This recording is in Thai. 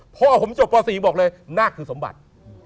พ่อผมจบป๔บอกเลยนาคคือสมบัติ